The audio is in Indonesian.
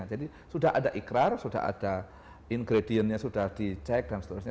jadi sudah ada ikrar sudah ada ingredientnya sudah dicek dan seterusnya